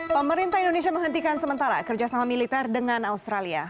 pemerintah indonesia menghentikan sementara kerjasama militer dengan australia